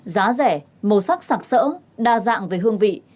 giá rẻ màu sắc sạc sỡ đa dạng về hương vị